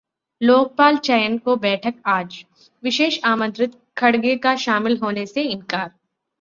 लोकपाल चयन को बैठक आज, 'विशेष आमंत्रित' खड़गे का शामिल होने से इनकार